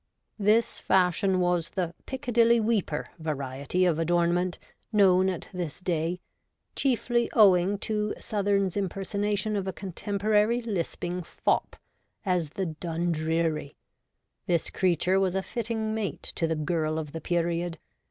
This fashion was the ' Piccadilly weeper ' variety of adornment, known at this day — chiefly owing to Sothern's impersonation of a contemporary lisping fop — as the ' Dundreary.' This creature was a fitting mate to the Girl of the Period.